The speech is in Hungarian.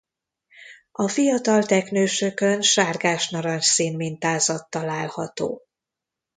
A fiatal teknősökön sárgás-narancsszín mintázat található.